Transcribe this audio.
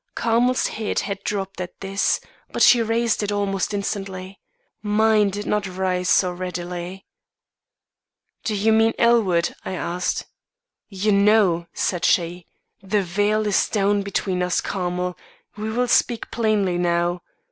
'" Carmel's head had drooped at this, but she raised it almost instantly. Mine did not rise so readily. "'Do you mean Elwood?' I asked. 'You know!' said she. 'The veil is down between us, Carmel; we will speak plainly now.